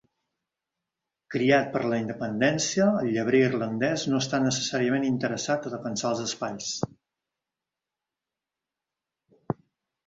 Criat per a la independència, el llebrer irlandès no està necessàriament interessat a defensar els espais.